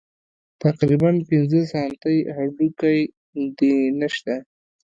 تقريباً پينځه سانتۍ هډوکى دې نشته.